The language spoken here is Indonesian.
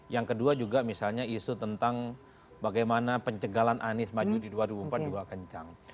yang kedua juga misalnya isu tentang bagaimana pencegalan anis maju di dua ribu dua puluh empat juga kencang